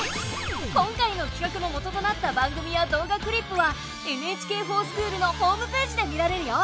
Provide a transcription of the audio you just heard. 今回のきかくの元となった番組や動画クリップは「ＮＨＫｆｏｒＳｃｈｏｏｌ」のホームページで見られるよ。